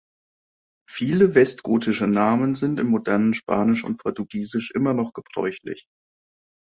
Viele westgotische Namen sind im modernen Spanisch und Portugiesisch immer noch gebräuchlich.